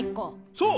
そう！